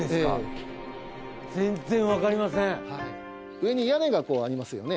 上に屋根がありますよね。